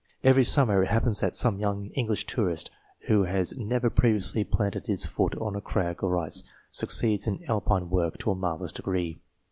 Every summer, it happens that some young English tourist who had never previously planted his foot on crag or ice, succeeds in Alpine work to a marvellous degree.